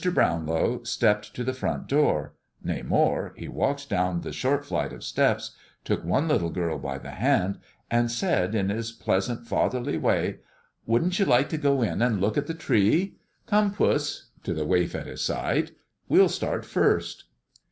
Brownlow stepped to the front door. Nay more, he walked down the short flight of steps, took one little girl by the hand, and said in his pleasant, fatherly way, "Wouldn't you like to go in and look at the tree? Come, Puss" (to the waif at his side), "we'll start first."